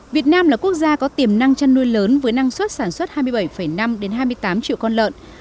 việt nam là quốc gia có tiềm năng chăn nuôi lớn với năng suất sản xuất hai mươi bảy năm hai mươi tám triệu con lợn